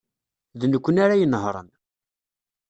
D nekkni ara inehṛen.